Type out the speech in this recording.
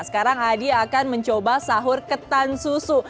sekarang adi akan mencoba sahur ketan susu